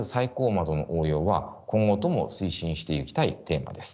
窓の応用は今後とも推進していきたいテーマです。